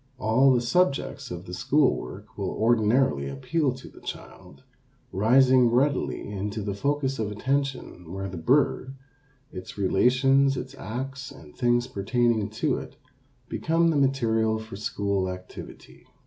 All the subjects of school work will ordinarily appeal to the child, rising readily into the focus of attention where the bird, its relations, its acts, and things pertaining to it, become the material for school activity.